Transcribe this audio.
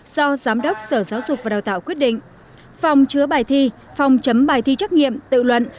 do giám đốc sở giáo dục và đào tạo quyết định phòng chứa bài thi phòng chấm bài thi trắc nghiệm tự luận